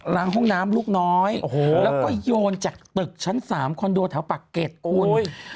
แล้วก็โยนจากตึกชั้น๓คอนโดแถวปากเกรดคุณ